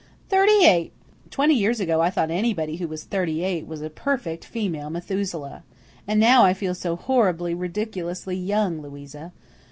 Thirty eight! Twenty years ago I thought anybody who was thirty eight was a perfect female Methuselah. And now I feel so horribly, ridiculously young, Louisa.